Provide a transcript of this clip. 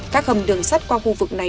các hầm đường sắt qua khu vực này